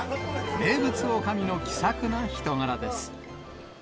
名物おかみの気さくな人柄です。